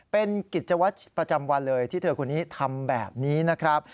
เป็นกิจวัตรประจำวันเลยที่เธอคนนี้ทำแบบนี้นะครับ